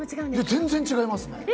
全然違います。